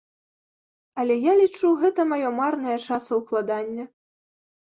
Але я лічу, гэта маё марнае часаўкладанне.